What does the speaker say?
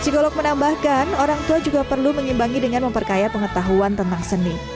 psikolog menambahkan orang tua juga perlu mengimbangi dengan memperkaya pengetahuan tentang seni